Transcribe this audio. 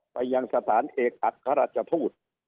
ไปยังสถานเอกอัครราชทูต